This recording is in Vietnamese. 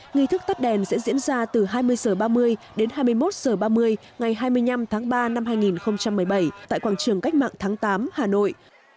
nghi thức tắt đèn sẽ diễn ra từ hai mươi h ba mươi đến hai mươi một h ba mươi ngày hai mươi năm tháng ba năm hai nghìn một mươi bảy tại quảng trường cách mạng tháng tám hà nội